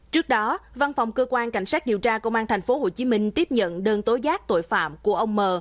trước đó văn phòng cơ quan cảnh sát điều tra công an tp hcm tiếp nhận đơn tối giác tội phạm của ông m